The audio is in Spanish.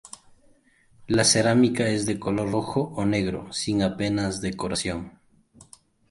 La cerámica es de color rojo o negro, sin apenas decoración.